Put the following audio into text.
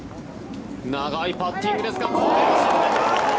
長いパッティングですがこれを沈めた！